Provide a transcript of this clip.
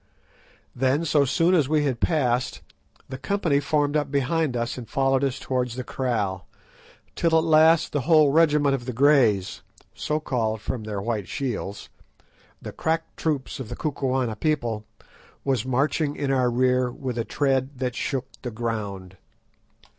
Then, so soon as we had passed, the company formed up behind us and followed us towards the kraal, till at last the whole regiment of the "Greys"—so called from their white shields—the crack corps of the Kukuana people, was marching in our rear with a tread that shook the ground.